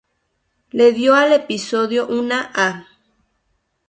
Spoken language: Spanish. Le dio al episodio una A-.